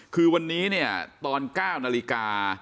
คือวันนี้เนี่ยตอน๙นาฬิกา